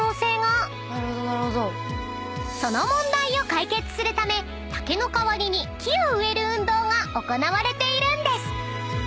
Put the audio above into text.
［その問題を解決するため竹の代わりに木を植える運動が行われているんです］